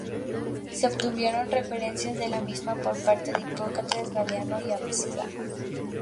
Se obtuvieron referencias de la misma por parte de Hipócrates, Galeno y Avicena.